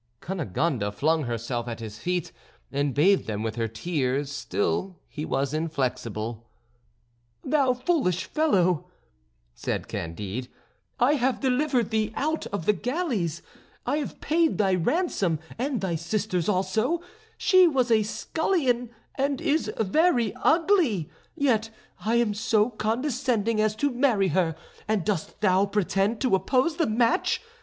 Cunegonde flung herself at his feet, and bathed them with her tears; still he was inflexible. "Thou foolish fellow," said Candide; "I have delivered thee out of the galleys, I have paid thy ransom, and thy sister's also; she was a scullion, and is very ugly, yet I am so condescending as to marry her; and dost thou pretend to oppose the match?